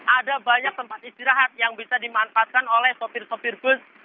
ada banyak tempat istirahat yang bisa dimanfaatkan oleh sopir sopir bus